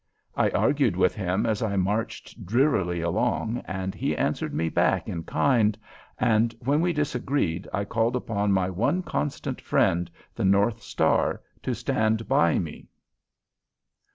I argued with him as I marched drearily along, and he answered me back in kind, and when we disagreed I called upon my one constant friend, the North Star, to stand by me.